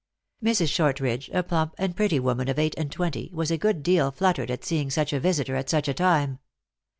Mrs. Shortridge, a plump and pretty woman of eight and twenty, was a good deal fluttered at seeing such a visitor at such a time.